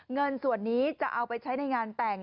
เงินส่วนนี้จะเอาไปใช้ในงานแต่ง